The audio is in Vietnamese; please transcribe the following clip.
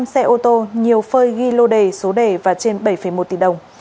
năm xe ô tô nhiều phơi ghi lô đề số đề và trên bảy một tỷ đồng